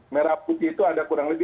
merah putih itu ada kurang lebih